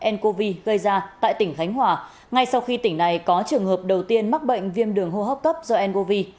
ncov gây ra tại tỉnh khánh hòa ngay sau khi tỉnh này có trường hợp đầu tiên mắc bệnh viêm đường hô hấp cấp do ncov